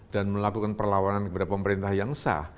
dan melakukan perlawanan kepada pemerintah yang sah